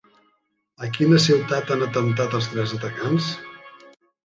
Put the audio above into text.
A quina ciutat han atemptat els tres atacants?